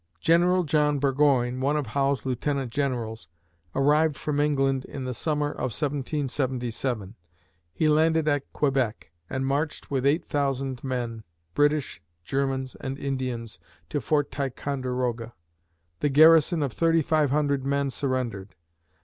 General John Burgoyne, one of Howe's lieutenant generals, arrived from England in the summer of 1777. He landed at Quebec and marched with eight thousand men, British, Germans and Indians, to Fort Ticonderoga. The garrison of thirty five hundred men surrendered.